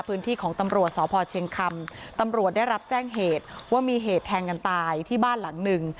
พื้นที่ของตำรวจสพเชียงคำตำรวจได้รับแจ้งเหตุว่ามีเหตุแทงกันตายที่บ้านหลังหนึ่ง